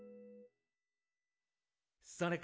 「それから」